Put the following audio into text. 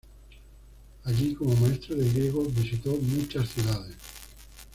Allí, como maestro de griego, visitó muchas ciudades.